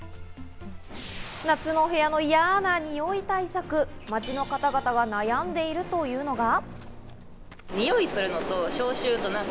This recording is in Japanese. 夏のお部屋のいやなニオイ対策、街の方々は悩んでいるというのが。